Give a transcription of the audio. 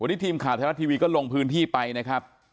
วันนี้ทีมขาธรรมละที่วีก็ลงพื้นที่ไปนะครับ